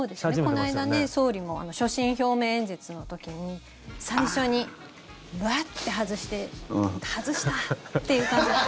この間総理も所信表明演説の時に最初に、ワッて外して外した！っていう感じ。